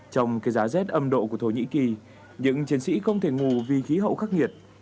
trong cái giá rét âm độ của thổ nhĩ kỳ những chiến sĩ không thể ngủ vì khí hậu khắc nghiệt